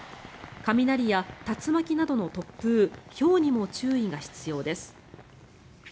雷や竜巻などの突風ひょうにも注意が必要です。